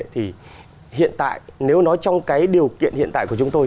thì hiện tại nếu nói trong cái điều kiện hiện tại của chúng tôi